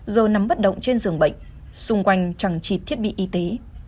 giờ nắm bất động trên giường bệnh xung quanh chẳng chịp thiết bị y tế